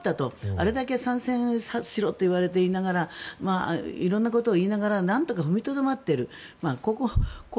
あれだけ参戦しろと言われていながら色んなことを言いながらなんとか踏みとどまっている。